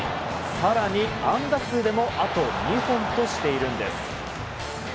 更に、安打数でもあと２本としているんです。